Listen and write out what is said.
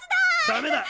ダメだ。